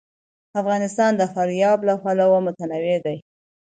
افغانستان د فاریاب له پلوه متنوع دی.